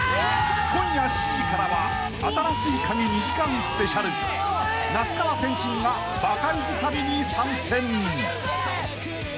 ［今夜７時からは『新しいカギ』２時間スペシャル］［那須川天心がバカイジ旅に参戦］